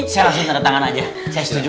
saya langsung tanda tangan aja saya setuju